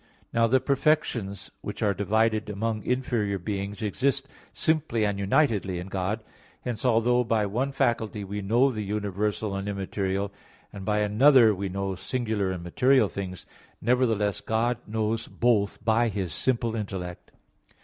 Now the perfections which are divided among inferior beings, exist simply and unitedly in God; hence, although by one faculty we know the universal and immaterial, and by another we know singular and material things, nevertheless God knows both by His simple intellect.